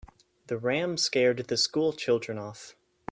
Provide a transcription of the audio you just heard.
The ram scared the school children off.